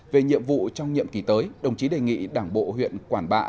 về nhiệm vụ trong nhiệm kỳ tới đồng chí đề nghị đảng bộ huyện quản bạ